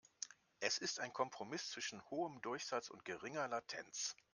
Es ist ein Kompromiss zwischen hohem Durchsatz und geringer Latenz.